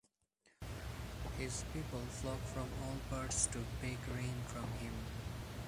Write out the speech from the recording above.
His people flock from all parts to beg rain from him.